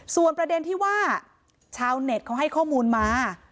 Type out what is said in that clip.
ส่วนประเด็นที่ว่าชาวเน็ตเขาให้ข้อมูลมา